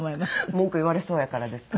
文句言われそうやからですか？